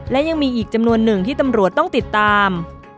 และยังมีอีกจำนวนหนึ่งที่ตำรวจต้องติดตาม